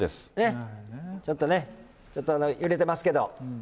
ちょっとね、ちょっと揺れてます